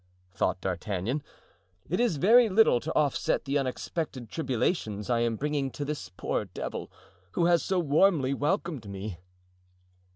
thought D'Artagnan, "it is very little to offset the unexpected tribulations I am bringing to this poor devil who has so warmly welcomed me."